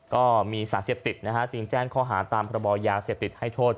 ก็มีสารเสพติดนะฮะจึงแจ้งข้อหาตามพระบอยาเสพติดให้โทษ